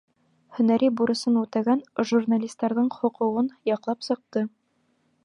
Һөнәри бурысын үтәгән журналистарҙың хоҡуғын яҡлап сыҡты.